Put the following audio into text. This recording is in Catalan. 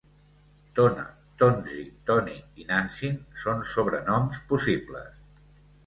Tona, Tonzi, Toni i Nantzin són sobrenoms possibles.